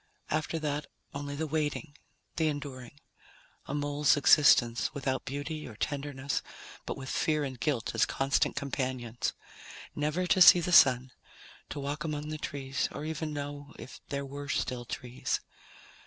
After that, only the waiting, the enduring. A mole's existence, without beauty or tenderness, but with fear and guilt as constant companions. Never to see the Sun, to walk among the trees or even know if there were still trees.